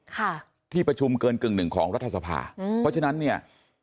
ค่ะที่ประชุมเกินกึ่งหนึ่งของรัฐสภาอืมเพราะฉะนั้นเนี่ย